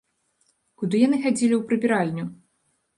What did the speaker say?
Куды яны хадзілі ў прыбіральню?